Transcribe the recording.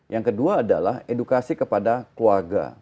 yang kedua adalah edukasi kepada keluarga